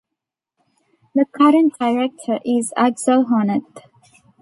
The current director is Axel Honneth.